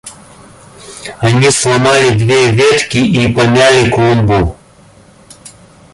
– Они сломали две ветки и помяли клумбу.